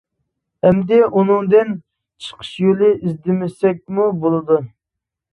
ئەمدى ئۇنىڭدىن، چىقىش يولى ئىزدىمىسەكمۇ بولىدۇ.